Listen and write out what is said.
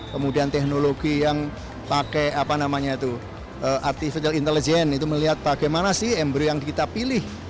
kemudian teknologi yang pakai artificial intelligence itu melihat bagaimana sih embryo yang kita pilih